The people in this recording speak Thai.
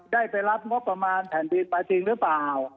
ได้ไปรับงบประมาณแผ่นดินไปจริงหรือเปล่า